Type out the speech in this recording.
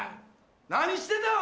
何してたん？